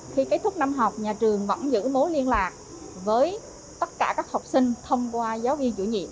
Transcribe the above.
khi kết thúc năm học nhà trường vẫn giữ mối liên lạc với tất cả các học sinh thông qua giáo viên chủ nhiệm